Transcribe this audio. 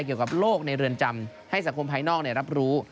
เกี่ยวกับโลกในเรือนจำให้สังคมภายนอกรับรู้